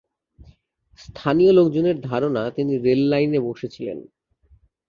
স্থানীয় লোকজনের ধারণা, তিনি রেললাইনে বসে ছিলেন।